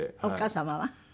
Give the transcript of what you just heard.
お母様は？